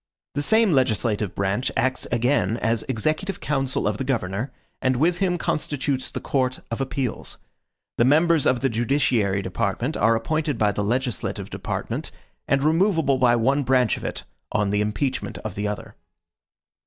The same legislative branch acts again as executive council of the governor, and with him constitutes the Court of Appeals. The members of the judiciary department are appointed by the legislative department and removable by one branch of it, on the impeachment of the other.